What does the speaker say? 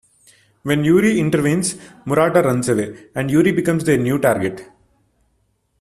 When Yuri intervenes, Murata runs away, and Yuri becomes their new target.